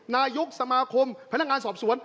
นายกสมาคมพนักงานสอบสวน